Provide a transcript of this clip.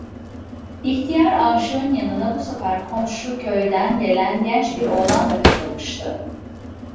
İhtiyar aşığın yanına bu sefer komşu köyden gelen genç bir oğlan da katılmıştı.